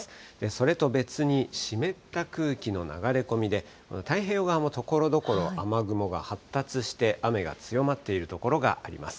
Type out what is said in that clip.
それと別に湿った空気の流れ込みで、太平洋側もところどころ雨雲が発達して、雨が強まっている所があります。